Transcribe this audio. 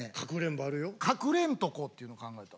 かくれんとこっていうの考えた。